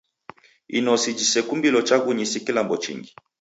Inosi jisekumbilo chaghunyi si kilambo chingi.